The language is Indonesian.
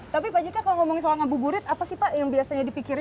tapi pak jk kalau ngomongin soal ngabuburit apa sih pak yang biasanya dipikirin